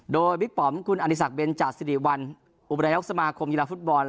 โดยวิกป๋อมคุณอันนิสักเบนจากสิริวันอุบัญญาณยกสมาคมยีลาฟุตบอล